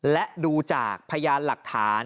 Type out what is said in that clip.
และดูจากพยานหลักฐาน